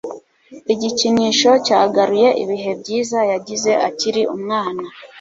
Igikinisho cyagaruye ibihe byiza yagize akiri umwana